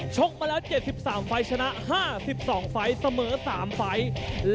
กมาแล้ว๗๓ไฟล์ชนะ๕๒ไฟล์เสมอ๓ไฟล์